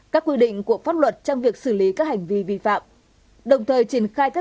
các quy định của pháp luật trong việc xử lý các hành vi vi phạm đồng thời triển khai các